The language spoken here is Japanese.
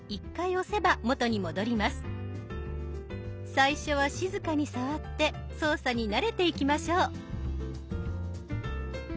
最初は静かに触って操作に慣れていきましょう。